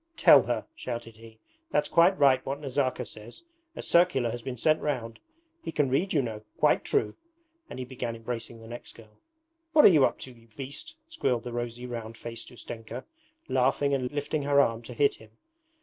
'Tell her,' shouted he. 'That's quite right what Nazarka says; a circular has been sent round. He can read, you know. Quite true!' And he began embracing the next girl. 'What are you up to, you beast?' squealed the rosy, round faced Ustenka, laughing and lifting her arm to hit him.